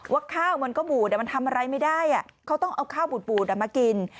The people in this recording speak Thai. ว่าข้าวมันก็บูดทำอะไรไม่ได้เค้าต้องเอาข้าวบุตรมากิน